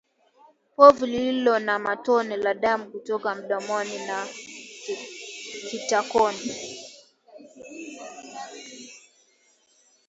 Povu lililo na matone ya damu kutoka mdomoni na kitakoni